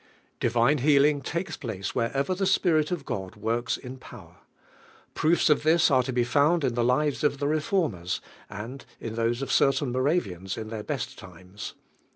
Divine heal inn tages pi tine nftu.cB.vei I he Spirit pf ft"d wnrVn ■" power Proofs of this are to be found in the lives of the Reformers, and in those of certain Morav ians in their best times.